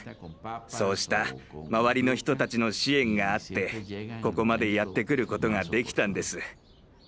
そうした周りの人たちの支援があってここまでやってくることができたんです。